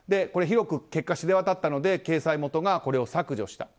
結果、広く知れ渡ったので掲載元がこれを削除した。